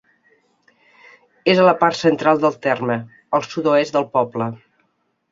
És a la part central del terme, al sud-oest del poble.